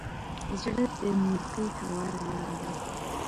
زړه د نېکۍ هواره لاره ده.